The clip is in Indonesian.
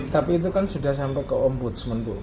tapi itu kan sudah sampai ke ombudsman tuh